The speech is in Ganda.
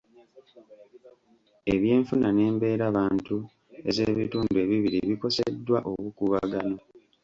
Ebyenfuna n'embeera bantu ez'ebitundu ebibiri bikoseddwa obukuubagano.